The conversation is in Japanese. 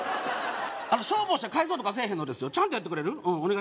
消防車改造とかせえへんのですちゃんとやってくれる？